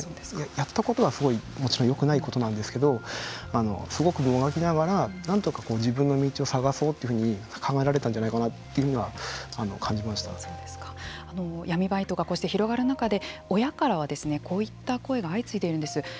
やったことはもちろんよくないことなんですけれどもすごくもがきながらなんとか自分の道を探そうというふうに考えられたんじゃないかなというふうには闇バイトがこうして広がる中で親からは、こういった声が相次いでいるんです。